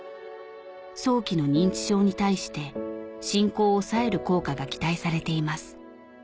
早期の認知症に対して進行を抑える効果が期待されています